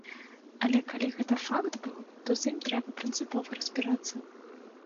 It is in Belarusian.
Але калі гэты факт быў, то з ім трэба прынцыпова разбірацца.